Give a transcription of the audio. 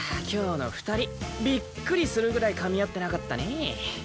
今日の２人びっくりするぐらいかみ合ってなかったねえ。